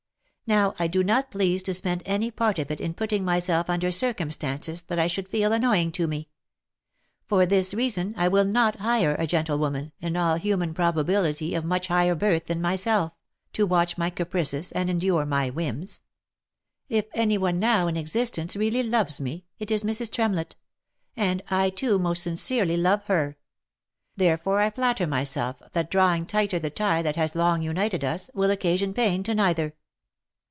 Now I do not please to spend any part of it in putting myself under circum stances that I should feel annoying to me. For this reason I will not hire a gentlewoman — in all human probability of much higher birth than myself — to watch my caprices, and endure my whims. 92 THE LIFE AND ADVENTURES If any one now in existence really loves me, it is Mrs. Tremlett ; and I, too, most sincerely love her ; therefore I flatter myself, that drawing tighter the tie that has long united us, will occasion pain to neither.